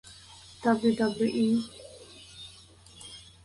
Wwe.